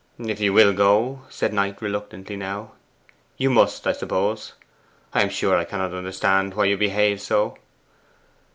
'If you will go,' said Knight, reluctantly now, 'you must, I suppose. I am sure I cannot understand why you behave so.